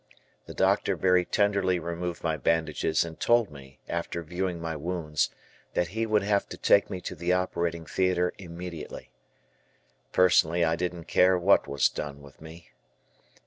The doctor very tenderly removed my bandages and told me, after viewing my wounds, that he would have to take me to the operating theater immediately. Personally I didn't care what was done with me.